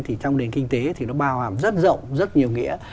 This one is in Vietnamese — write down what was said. thì trong nền kinh tế thì nó bao hàm rất rộng rất nhiều nghĩa